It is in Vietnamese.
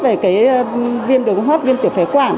về cái viêm đường hô hấp viêm tiểu phế quản